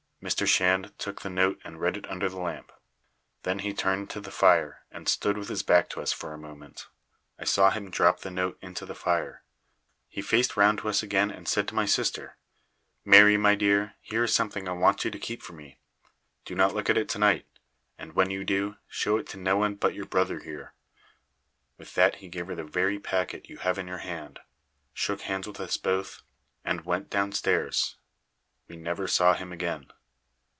Mr. Shand took the note and read it under the lamp. Then he turned to the fire, and stood with his back to us for a moment. I saw him drop the note into the fire. He faced round to us again and said he to my sister: 'Mary, my dear, here is something I want you to keep for me. Do not look at it to night; and when you do, show it to no one but your brother here.' With that he gave her the very packet you have in your hand, shook hands with us both, and went downstairs. We never saw him again.